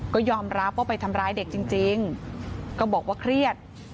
ก็ยอมรับว่าไปทำร้ายเด็กจริงก็บอกว่าเครียด